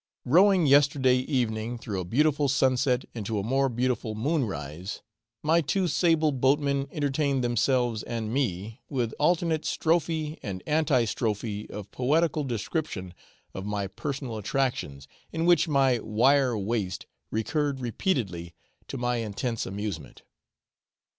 Rowing yesterday evening through a beautiful sunset into a more beautiful moonrise, my two sable boatmen entertained themselves and me with alternate strophe and anti strophe of poetical description of my personal attractions, in which my 'wire waist' recurred repeatedly, to my intense amusement.